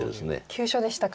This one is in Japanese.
急所でしたか。